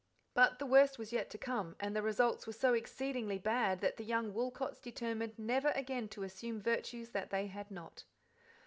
But the worst was yet to come, and the results were so exceedingly bad that the young Woolcots determined never again to assume virtues that they had not.